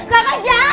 kak kak jangan